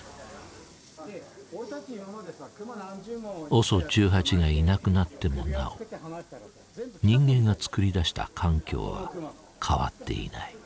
ＯＳＯ１８がいなくなってもなお人間が作り出した環境は変わっていない。